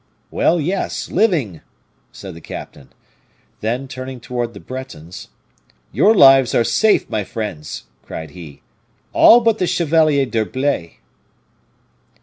"Well, yes living," said the captain. Then turning towards the Bretons, "Your lives are safe, my friends!" cried he, "all but the Chevalier d'Herblay."